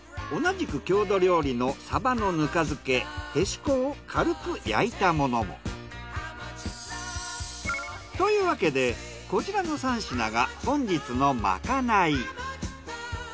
同じく郷土料理のサバのぬか漬けへしこを軽く焼いたものも。というわけでこちらの３品が本日のまかない。